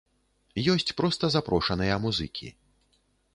Ёсць проста запрошаныя музыкі.